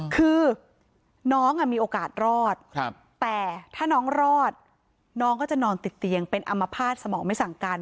คือน้องมีโอกาสรอดแต่ถ้าน้องรอดน้องก็จะนอนติดเตียงเป็นอัมพาตสมองไม่สั่งกัน